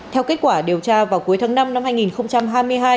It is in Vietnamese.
theo kết quả điều tra vào cuối tháng năm năm hai nghìn hai mươi hai